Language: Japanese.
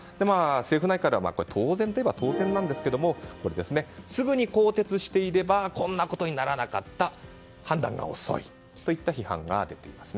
政府内から当然といえば当然なんですがすぐに更迭していればこんなことにならなかった判断が遅いという批判が出ています。